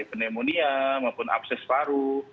pneumonia maupun akses paru